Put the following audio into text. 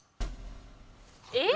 えっ？